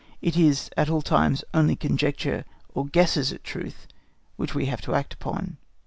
It is, at all times, only conjecture or guesses at truth which we have to act upon.